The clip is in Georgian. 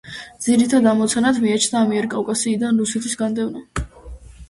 ძირითად ამოცანად მიაჩნდა ამიერკავკასიიდან რუსეთის განდევნა.